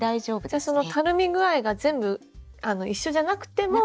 じゃあそのたるみ具合が全部一緒じゃなくても。